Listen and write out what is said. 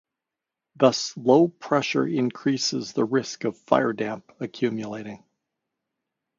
Thus low pressure increases the risk of firedamp accumulating.